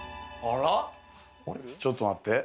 ちょっと待って！